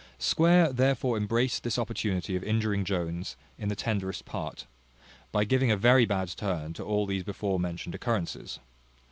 Square therefore embraced this opportunity of injuring Jones in the tenderest part, by giving a very bad turn to all these before mentioned occurrences.